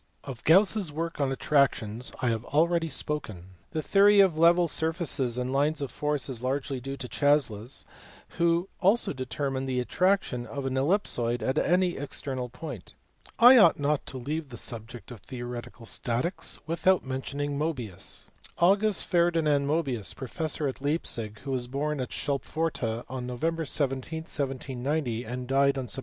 Of Gauss s work on attractions I have already spoken (see above, p. 456). The theory of level surfaces and lines of force is largely due to Chasles who also determined the attraction of an ellipsoid at any external point. I ought not to leave the subject of theoretical statics without mentioning Mobius. August Ferdinand Mobius, professor at Leipzig, who was born at Schulpforta on Nov. 17, 1790, and died on Sept.